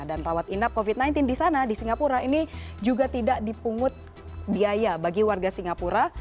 dan rawat inap covid sembilan belas di sana di singapura ini juga tidak dipungut biaya bagi warga singapura